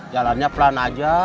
jalannya pelan aja